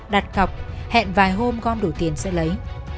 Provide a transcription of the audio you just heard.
đặt cọc hẹn vài hôm con đủ tiền sẽ lấy